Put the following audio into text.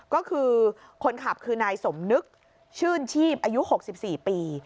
ก็คือคนขับคือนายสมนึกชื่นชีพอายุ๖๔ปี